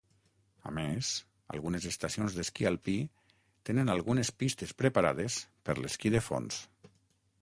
A més, algunes estacions d'esquí alpí tenen algunes pistes preparades per l'esquí de fons.